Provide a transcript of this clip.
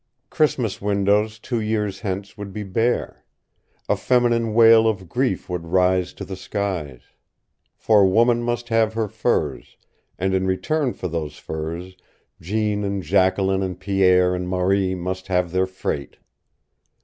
Christmas windows two years hence would be bare. A feminine wail of grief would rise to the skies. For woman must have her furs, and in return for those furs Jean and Jacqueline and Pierre and Marie must have their freight.